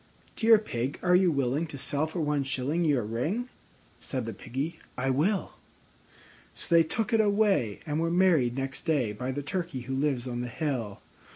"Dear Pig, are you willing to sell for one shilling Your ring?" Said the Piggy, "I will." So they took it away, and were married next day By the Turkey who lives on the hill.